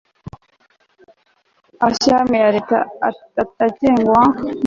n amashyirahamwe atagengwa na Leta bigamije Environmental protection in Rwanda